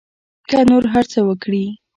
که نور هر څه وکري.